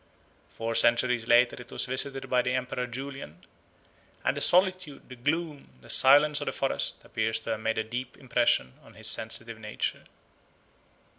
Four centuries later it was visited by the Emperor Julian, and the solitude, the gloom, the silence of the forest appear to have made a deep impression on his sensitive nature.